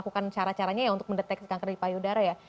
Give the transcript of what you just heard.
bukan cara caranya ya untuk mendeteksi kanker di payudara ya